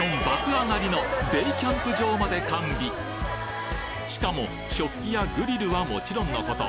上がりのデイキャンプ場まで完備しかも食器やグリルはもちろんのこと